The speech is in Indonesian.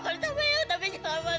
tapi jangan masukkan saya ke penjara